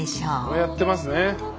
これやってますね。